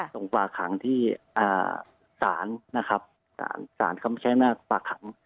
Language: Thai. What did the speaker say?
ส่งฝากหังที่ศาลนะครับศาลใช้มาฝากหัง